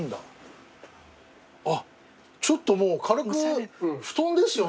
あっちょっともう軽く布団ですよね。